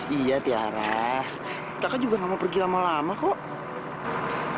iya tiara kakak juga gak mau pergi lama lama kok